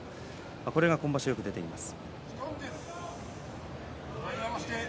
これが今場所よく出ています。